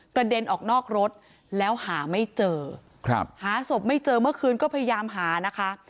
กระเด็นออกนอกรถแล้วหาไม่เจอหาศพไม่เจอเมื่อคืนก็พยายามหานะคะ